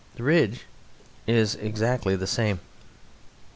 The ridge is exactly the same.